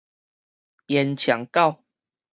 煙腸狗